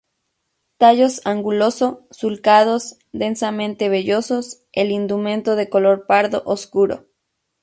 Tallos anguloso-sulcados, densamente vellosos, el indumento de color pardo obscuro.